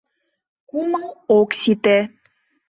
Кумыл ок сите.